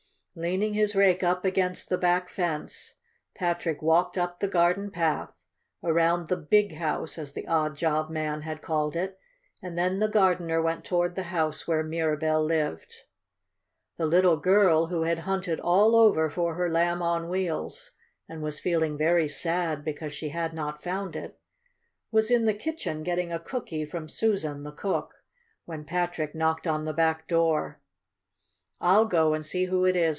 Leaning his rake up against the back fence, Patrick walked up the garden path, around the "Big House," as the odd job man had called it, and then the gardener went toward the house where Mirabell lived. The little girl, who had hunted all over for her Lamb on Wheels and was feeling very sad because she had not found it, was in the kitchen getting a cookie from Susan, the cook, when Patrick knocked on the back door. "I'll go and see who it is!"